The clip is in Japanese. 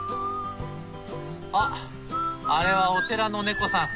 あっあれはお寺の猫さん。